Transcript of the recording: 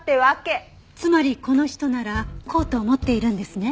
つまりこの人ならコートを持っているんですね？